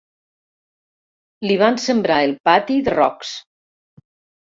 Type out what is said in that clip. Li van sembrar el pati de rocs.